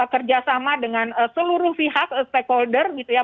kerjasama dengan seluruh pihak stakeholder gitu ya